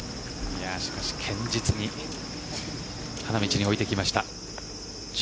しかし堅実に花道に置いてきました。